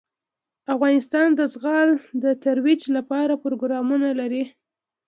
افغانستان د زغال د ترویج لپاره پروګرامونه لري.